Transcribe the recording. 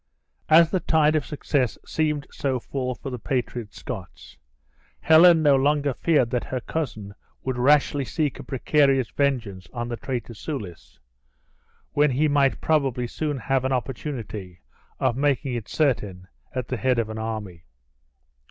As the tide of success seemed so full for the patriot Scots, Helen no longer feared that her cousin would rashly seek a precarious vengeance on the traitor Soulis, when he might probably soon have an opportunity of making it certain at the head of an army.